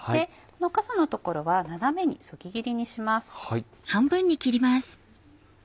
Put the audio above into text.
このかさのところは斜めにそぎ切りにします。